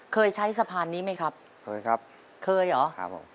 เคยใช้สะพานนี้มั้ยครับครับเคยครับ